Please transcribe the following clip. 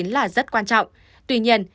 là rất quan trọng tuy nhiên